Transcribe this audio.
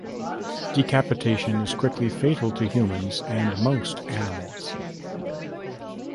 Decapitation is quickly fatal to humans and most animals.